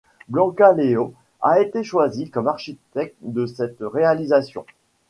Blanca Lleó a été choisie comme architecte de cette réalisation.